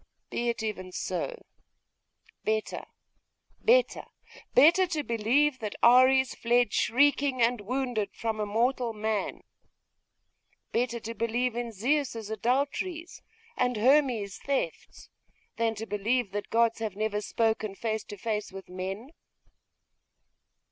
Be it even so. Better, better, better, to believe that Ares fled shrieking and wounded from a mortal man better to believe in Zeus's adulteries and Hermes's thefts than to believe that gods have never spoken face to face with men!